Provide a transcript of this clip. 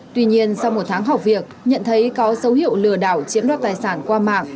tuy nhiên sau một tháng học việc nhận thấy có dấu hiệu lừa đảo chiếm đoạt tài sản qua mạng